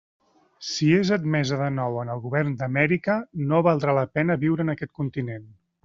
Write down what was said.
Si és admesa de nou en el govern d'Amèrica, no valdrà la pena viure en aquest continent.